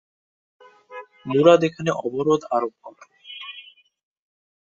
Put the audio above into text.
মুরাদ এখানে অবরোধ আরোপ করেন।